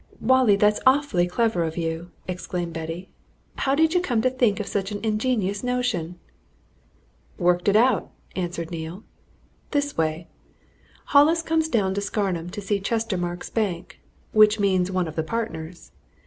"Wallie, that's awfully clever of you!" exclaimed Betty. "How did you come to think of such an ingenious notion?" "Worked it out," answered Neale. "This way! Hollis comes down to Scarnham to see Chestermarke's Bank which means one of the partners.